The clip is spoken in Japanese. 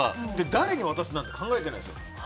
誰に渡すとか考えてないんですよ。